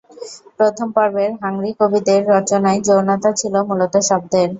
প্রথম পর্বের হাংরি কবিদের রচনায় যৌনতা ছিল মূলত শব্দের।